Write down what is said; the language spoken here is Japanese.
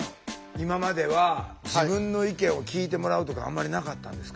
今までは自分の意見を聞いてもらうとかあんまりなかったんですか？